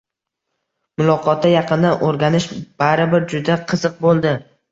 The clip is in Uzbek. Muloqotda yaqindan oʻrganish baribir juda qiziq boʻldi.